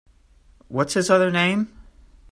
What’s his other name?